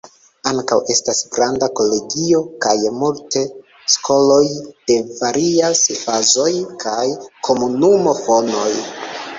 Ankaŭ, estas granda kolegio, kaj multe skoloj de varias fazoj kaj komunumo fonoj.